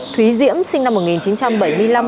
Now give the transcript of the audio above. thúy diễm sinh năm một nghìn chín trăm bảy mươi năm